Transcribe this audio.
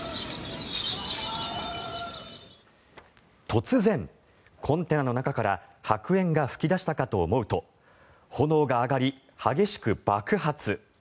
突然、コンテナの中から白煙が噴き出したかと思うと炎が上がり、激しく爆発。